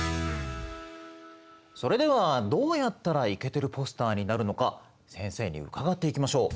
それではどうやったらイケてるポスターになるのか先生に伺っていきましょう。